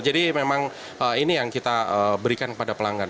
jadi memang ini yang kita berikan kepada pelanggan